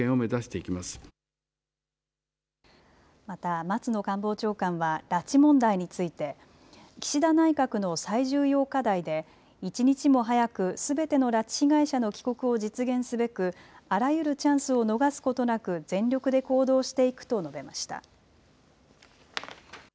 また松野官房長官は拉致問題について岸田内閣の最重要課題で一日も早くすべての拉致被害者の帰国を実現すべくあらゆるチャンスを逃すことなく全力で行動していくと述べました。